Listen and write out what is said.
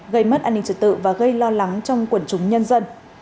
gây mất an ninh trật tự và gây lo lắng trong quần chúng nhân dân